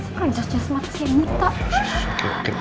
apaan sih kan jelas jelas mata saya muka